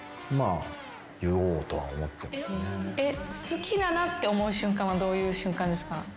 好きだなって思う瞬間はどういう瞬間ですか？